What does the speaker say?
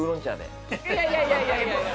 いやいやいやいや。